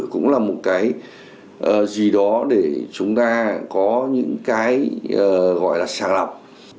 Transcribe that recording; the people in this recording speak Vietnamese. cũng là một cái gì đó để chúng ta có những cái gọi là sàng lọc